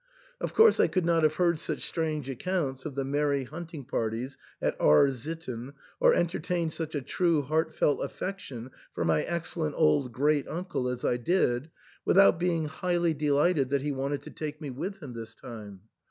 Of course I could not have heard such strange accounts of the merry hunting parties at R — sitten, or entertain such a true heartfelt affection for my excellent old great uncle as I did, without being highly delighted that he wanted to take me with him this time.